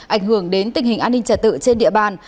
ảnh hưởng đến tình hình an ninh trả tự trên địa bàn